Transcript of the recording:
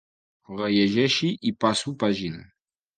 Rellegeixo i passo pàgina.